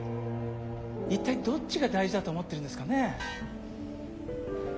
一体どっちが大事だと思ってるんですかね？